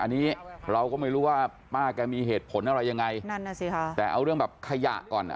อันนี้เราก็ไม่รู้ว่าป้าแกมีเหตุผลอะไรยังไงนั่นน่ะสิค่ะแต่เอาเรื่องแบบขยะก่อน